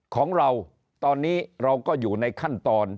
ของเราตอนนี้เราก็อยู่ในขั้นตอน